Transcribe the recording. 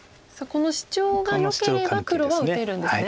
このシチョウがよければ黒は打てるんですね。